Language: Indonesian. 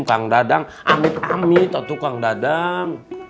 kang dadang amit amit untuk kang dadang